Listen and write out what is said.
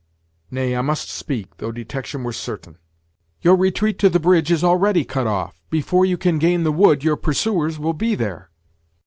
"Nay, I must speak, though detection were certain." "Your retreat to the bridge is already cut off; before you can gain the wood your pursuers will be there.